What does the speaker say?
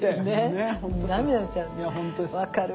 分かる。